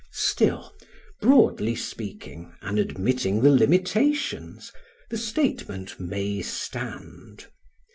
Still, broadly speaking and admitting the limitations, the statement may stand.